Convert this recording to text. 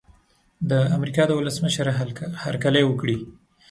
د امریکا د ولسمشر هرکلی وکړي.